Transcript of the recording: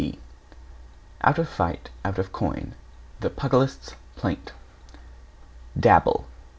D Out of fight, out of coin. The Pugilist's Plaint. =DABBLE= v.